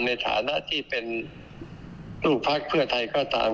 ในฐานะที่เป็นลูกภักดิ์เพื่อไทยก็ตาม